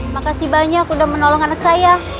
makasih banyak udah menolong anak saya